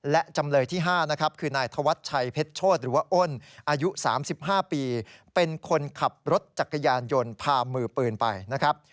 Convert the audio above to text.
และจำเลยที่๕นะครับคือนายธวัชชัยเพชรโชธหรือว่าอ้นอายุ๓๕ปีเป็นคนขับรถจักรยานยนต์พามือปืนไปนะครับ